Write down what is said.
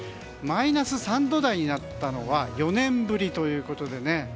マイナス３度台になったのは４年ぶりということでね。